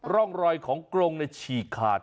ร่องรอยของกรงฉีกขาด